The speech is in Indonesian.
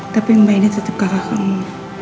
tapi mbak ini tetap kakak kamu